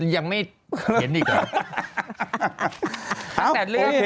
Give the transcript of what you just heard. ยังไม่เห็นอีกแล้ว